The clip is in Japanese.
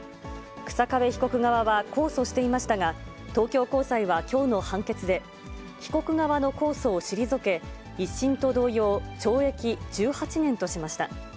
日下部被告側は控訴していましたが、東京高裁はきょうの判決で、被告側の控訴を退け、１審と同様、懲役１８年としました。